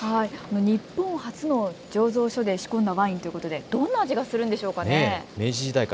日本初の醸造所で仕込んだワインということでどんな味がするんでしょうか。